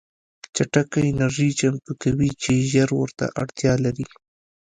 چټکه انرژي چمتو کوي چې ژر ورته اړتیا لري